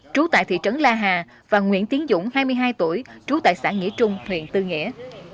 trú tại thị trấn la hà và nguyễn tiến dũng hai mươi hai tuổi trú tại xã nghĩa trung huyện tư nghĩa